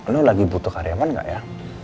lo lagi butuh karyawan gak ya